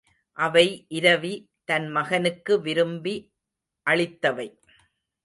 அவை இரவி தன் மகனுக்கு விரும்பி அளித்தவை.